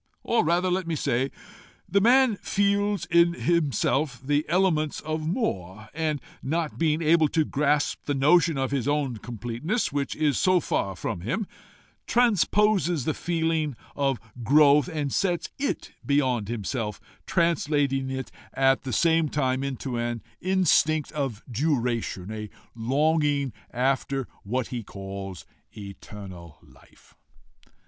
Or rather let me say, the man feels in himself the elements of more, and not being able to grasp the notion of his own completeness, which is so far from him, transposes the feeling of growth and sets it beyond himself, translating it at the same time into an instinct of duration, a longing after what he calls eternal life.